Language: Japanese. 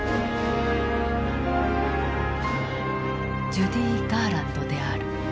ジュディ・ガーランドである。